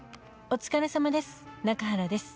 「お疲れさまです。